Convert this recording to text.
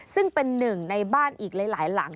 ซึ่งเป็นหนึ่งในบ้านอีกหลายหลัง